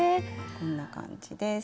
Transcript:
こんな感じです。